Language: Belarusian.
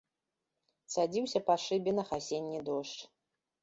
Цадзіўся па шыбінах асенні дождж.